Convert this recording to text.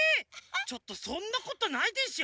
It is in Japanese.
ちょっとそんなことないでしょう？